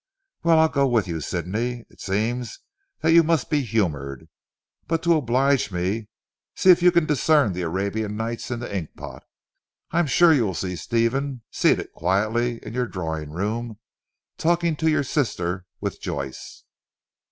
"Well I'll go with you Sidney. It seems that you must be humoured. But to oblige me, see if you can discern the Arabian Nights in the ink pot. I am sure you will see Stephen seated quietly in your drawing room talking to your sisters, with Joyce."